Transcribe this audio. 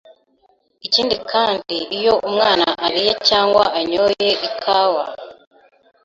Ikindi kandi iyo umwana ariye cyangwa anyoye ikawa,